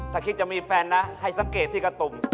ถ้าคิดจะมีแฟนนะให้สังเกตที่กระตุ่ม